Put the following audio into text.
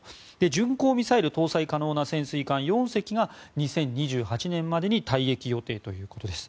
巡航ミサイル搭載可能な潜水艦４隻が２０２８年までに退役予定ということです。